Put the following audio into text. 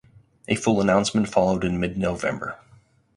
A full announcement followed in mid November.